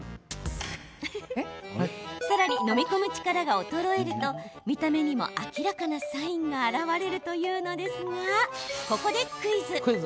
さらに、飲み込む力が衰えると見た目にも明らかなサインが現れるというのですがここでクイズ。